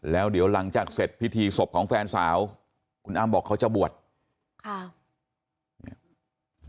แล้วเดี๋ยวหลังจากเสร็จพิธีศพของแฟนสาวคุณอ้ำบอกเขาจะบวชค่ะ